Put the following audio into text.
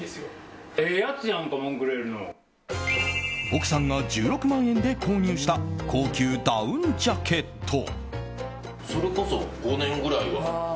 奥さんが１６万円で購入した高級ダウンジャケット。